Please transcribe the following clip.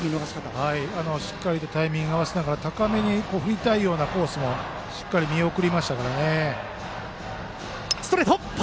しっかりとタイミングを合わせながら高めのコースもしっかり見送りましたからね。